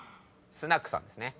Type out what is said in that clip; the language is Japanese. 「スナク」さんですね。